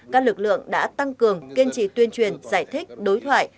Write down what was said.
các lực lượng đã tăng cường kiên trì tuyên truyền giải thích đối thoại